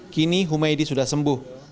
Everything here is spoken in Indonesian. kini humaydi sudah sembuh